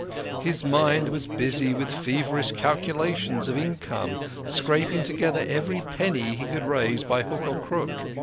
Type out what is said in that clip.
His mind was busy with feverish calculations of income, scraping together every penny he could raise by hook or crook.